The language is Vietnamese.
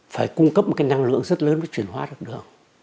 phải cung cấp một cái năng lượng rất lớn để chuyển hóa được đường